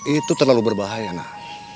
itu terlalu berbahaya nak